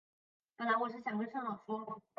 本来我是想跟社长说